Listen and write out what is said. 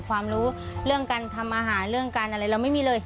ความรู้เรื่องการทำอาหารเรื่องการอะไรเราไม่มีเลย